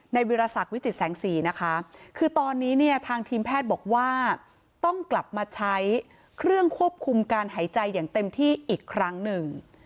วิรสักวิจิตแสงสีนะคะคือตอนนี้เนี่ยทางทีมแพทย์บอกว่าต้องกลับมาใช้เครื่องควบคุมการหายใจอย่างเต็มที่อีกครั้งหนึ่ง